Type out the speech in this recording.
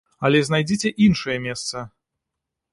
Але знайдзіце іншае месца.